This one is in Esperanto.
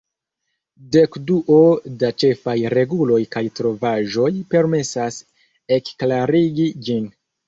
Dekduo da ĉefaj reguloj kaj trovaĵoj permesas ekklarigi ĝin.